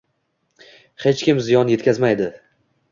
Hech kim ziyon yetkazmaydi